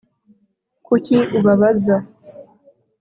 kuki ubabaza